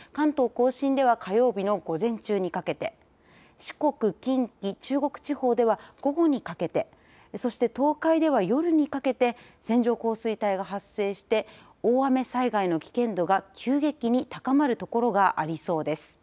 甲信では火曜日の午前中にかけて四国・近畿・中国地方では午後にかけてそして東海では夜にかけて線状降水帯が発生して大雨災害の危険度が急激に高まるところがありそうです。